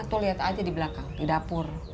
atau lihat aja di belakang di dapur